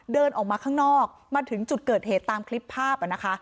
เดินออกมาข้างนอกมาถึงจุดเกิดเหตุตามคลิปภาพนะคะ